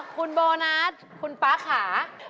คุณโบนัสคุณป๊าค่ะ